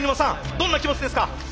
どんな気持ちですか？